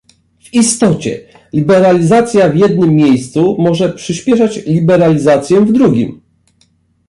W istocie, liberalizacja w jednym miejscu może przyśpieszać liberalizację w drugim